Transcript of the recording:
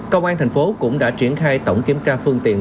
công an tp hcm cũng đã triển khai tổng kiểm tra phương tiện